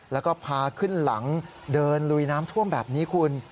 แล้วก็พาขึ้นหลังเดินลุยน้ำท่วมแบบนี้คุณ